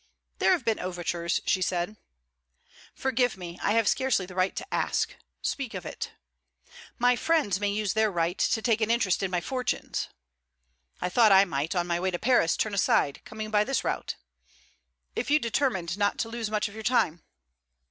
'There have been overtures,' she said. 'Forgive me; I have scarcely the right to ask... speak of it!' 'My friends may use their right to take an interest in my fortunes.' 'I thought I might, on my way to Paris, turn aside... coming by this route.' 'If you determined not to lose much of your time.'